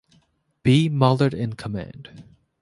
B. Mallard in command.